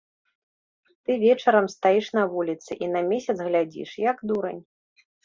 Ты вечарам стаіш на вуліцы і на месяц глядзіш, як дурань.